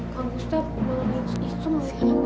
kak gustaf mau di gustaf kan gak bisa di pusing aja ibu